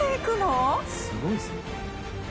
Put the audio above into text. すごいですね。